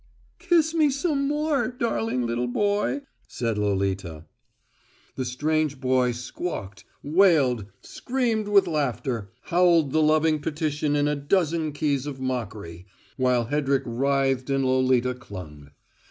"Kiss me some more, darling little boy!" said Lolita. The strange boy squawked, wailed, screamed with laughter, howled the loving petition in a dozen keys of mockery, while Hedrick writhed and Lolita clung.